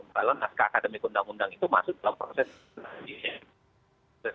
kalau naskah akademik undang undang itu masuk dalam proses